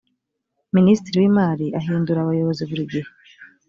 minisitiri w’imari ahindura abayobozi burigihe.